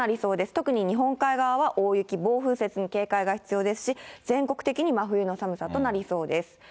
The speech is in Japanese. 特に日本海側は大雪、暴風雪に警戒が必要ですし、全国的に真冬の寒さとなりそうです。